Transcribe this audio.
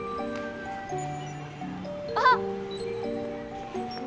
あっ！